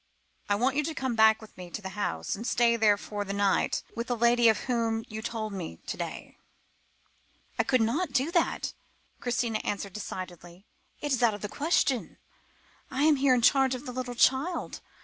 "I want you to come back with me to the house, and stay there for the night, with the lady of whom you told me to day." "I could not do that," Christina answered decidedly; "it is out of the question. I am here in charge of a little child.